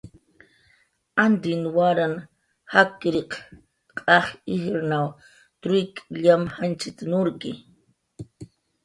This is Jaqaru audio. "Antin waran jakkiriq q'aj ijrnaw truik llam janchit"" nurki"